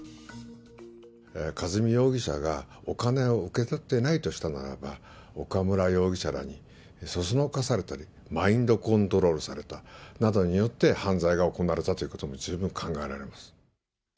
和美容疑者がお金を受け取ってないとしたならば、岡村容疑者らにそそのかされたり、マインドコントロールされたなどによって、犯罪が行われたということも十分考えられます。